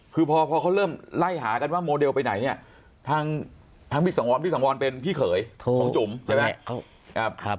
คือพอเขาเริ่มไล่หากันว่าโมเดลไปไหนเนี่ยทางพี่สังวรพี่สังวรเป็นพี่เขยของจุ๋มใช่ไหม